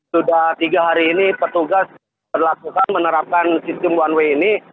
sudah tiga hari ini petugas berlakukan menerapkan sistem one way ini